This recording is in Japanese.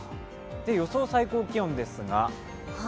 予想最高気温ですが。